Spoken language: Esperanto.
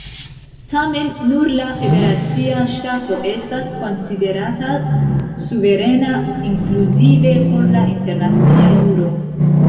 Tamen, nur la federacia ŝtato estas konsiderata suverena, inkluzive por la internacia juro.